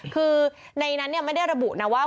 คือในนั้นไม่ได้ระบุนะว่า